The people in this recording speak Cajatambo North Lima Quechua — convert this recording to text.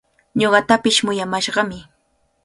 Ñuqatapish muyamashqami.